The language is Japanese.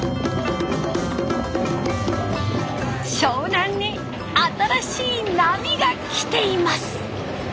湘南に新しい波がきています。